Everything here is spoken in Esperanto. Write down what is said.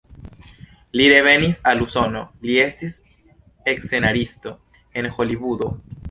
Li revenis al Usono, li estis scenaristo en Holivudo.